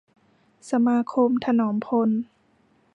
สมาคมถนอมพล